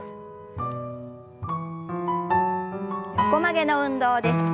横曲げの運動です。